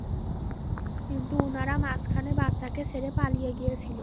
কিন্তু উনারা মাঝখানে, বাচ্চাকে ছেড়ে পালিয়ে গিয়েছিলো।